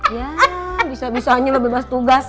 ya bisa bisa aja lu bebas tugas